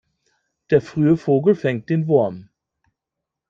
Der frühe Vogel fängt den Wurm.